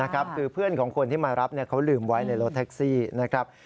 คือเพื่อนของคนที่มารับเขาลืมไว้ในรถแท็กซี่นะครับ